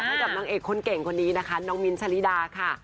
ให้กับนางเอกคนเก่งคนนี้นะคะน้องมิ้นทะลิดาค่ะ